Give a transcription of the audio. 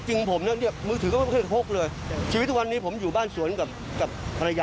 เร็วผมรู้ข่าวด้วยกว่าค่อยส่วนบ้านนะ